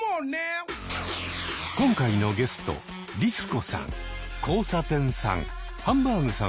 今回のゲストリス子さん交差点さん